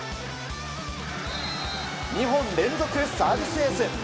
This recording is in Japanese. ２本連続サービスエース！